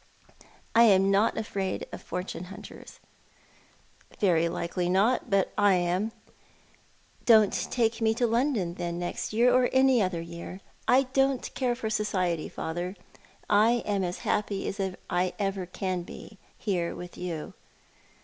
" I am not afraid of fortune hunters." " Very likely not ; but I am." " Don't take me to London, then, next year, or any other year. I don't care for society, father. I am as happy as I ever can be, here with you."